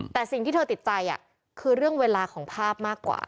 แต่สิ่งที่เธอติดใจคือเรื่องเวลาของภาพมากกว่า